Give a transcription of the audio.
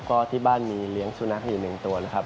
เพราะที่บ้านมีเลี้ยงสุนัขอยู่หนึ่งตัวนะครับ